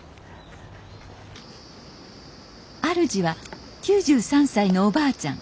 あるじは９３歳のおばあちゃん